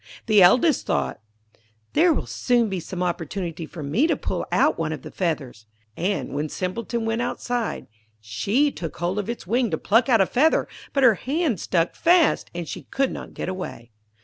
The eldest thought, 'There will soon be some opportunity for me to pull out one of the feathers,' and when Simpleton went outside, she took hold of its wing to pluck out a feather; but her hand stuck fast, and she could not get away.